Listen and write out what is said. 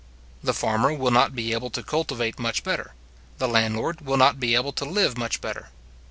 The farmer will not be able to cultivate much better; the landlord will not be able to live much better.